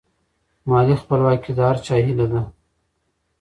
مالي خپلواکي د هر چا هیله ده.